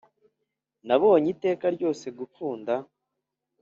nabonye iteka ryose gukunda.